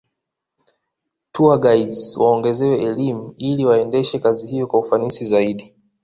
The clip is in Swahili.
Tourguides waongezewe elimu ili waendeshe kazi hiyo kwa ufanisi zaidi